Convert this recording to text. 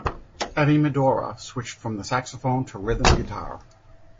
Eddy Medora switched from the saxophone to rhythm guitar.